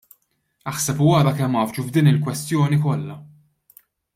Aħseb u ara kemm għaffġu f'din il-kwestjoni kollha!